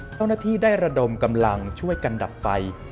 เจ้าหน้าที่ได้ระดมกำลังช่วยกันดับไฟ